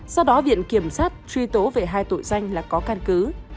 sau đó viện kiểm sát truy tố về hai tội danh là có căn cứ